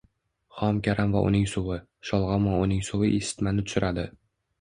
Xom karam va uning suvi, sholg‘om va uning suvi isitmani tushiradi.